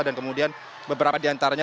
dan kemudian beberapa diantaranya